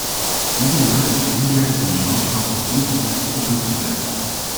Ieder jaar is één derde van de zwangerschappen ongewenst of niet gepland.